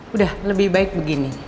udah lebih baik begini